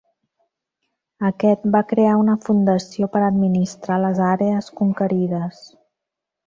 Aquest va crear una fundació per administrar les àrees conquerides.